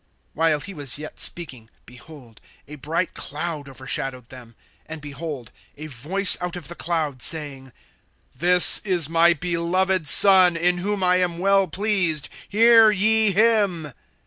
(5)While he was yet speaking, behold, a bright cloud overshadowed them. And behold, a voice out of the cloud, saying: This is my beloved Son, in whom I am well pleased; hear ye him.